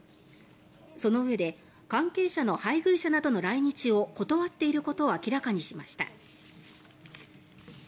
そのうえで関係者の配偶者などの来日を断っていることを明らかにしました。